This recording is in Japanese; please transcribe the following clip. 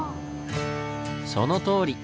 そのとおり！